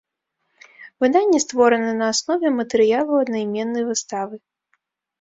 Выданне створана на аснове матэрыялаў аднайменнай выставы.